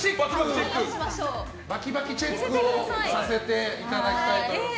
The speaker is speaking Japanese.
バキバキチェックをさせていただきたいと思います。